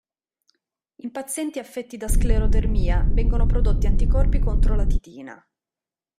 In pazienti affetti da sclerodermia vengono prodotti anticorpi contro la titina.